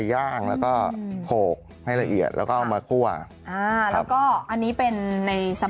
ข้างบัวแห่งสันยินดีต้อนรับทุกท่านนะครับ